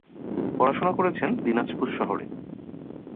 পড়াশোনা করেছেন দিনাজপুর শহরে।